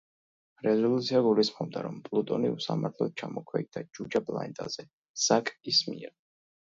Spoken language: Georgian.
რეზოლუცია გულისხმობდა, რომ პლუტონი „უსამართლოდ ჩამოქვეითდა „ჯუჯა“ პლანეტაზე“ საკ-ის მიერ.